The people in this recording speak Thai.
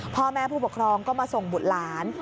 พ่อแม่ผู้ปกครองก็มาส่งบุตรหลาน